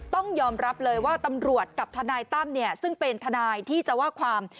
ต้องยอมรับเลยว่าตำรวจกับทนายตั้มซึ่งเป็นทนายที่จะว่าความ